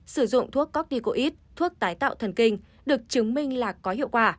sử dụng thuốc corticoid thuốc tái tạo thần kinh được chứng minh là có hiệu quả